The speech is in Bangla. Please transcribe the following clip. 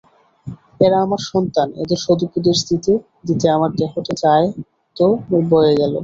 এরা আমার সন্তান, এদের সদুপদেশ দিতে দিতে আমার দেহটা যায় তো বয়ে গেল।